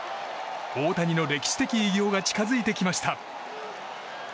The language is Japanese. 大谷の歴史的偉業が近づいてきました。